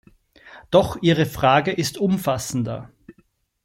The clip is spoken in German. Doch Ihre Frage ist umfassender.